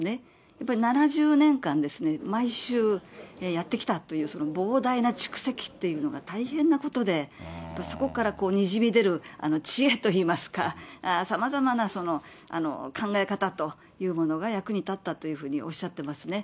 やっぱり７０年間、毎週やってきたという、その膨大な蓄積っていうのが大変なことで、そこからこう、にじみ出る知恵といいますか、さまざまな考え方というものが、役に立ったというふうにおっしゃってますね。